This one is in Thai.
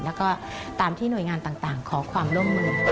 แล้วก็ตามที่หน่วยงานต่างขอความร่วมมือ